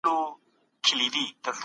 هیڅوک نه سي کولای د بل حق وخوري.